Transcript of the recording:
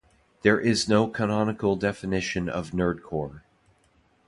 There is no canonical definition of nerdcore.